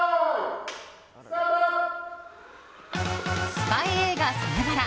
スパイ映画さながら！